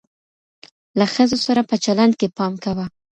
له ښځو سره په چلند کي پام کوه.